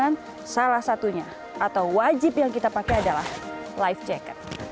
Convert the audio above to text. dan salah satunya atau wajib yang kita pakai adalah life jacket